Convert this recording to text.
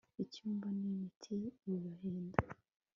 icyumba ni miti bibahenda